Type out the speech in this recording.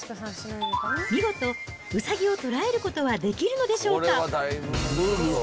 見事ウサギをとらえることはできるのでしょうか。